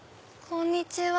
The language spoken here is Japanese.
こんにちは。